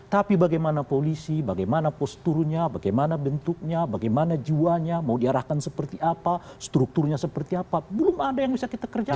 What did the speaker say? tapi bagaimana polisi bagaimana posturnya bagaimana bentuknya bagaimana jiwanya mau diarahkan seperti apa strukturnya seperti apa belum ada yang bisa kita kerjakan